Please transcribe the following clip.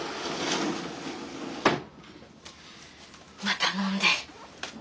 また飲んで。